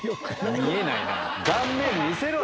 見えないな。